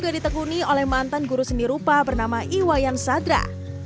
juga ditekuni oleh mantan guru seni rupa bernama iwayan sadra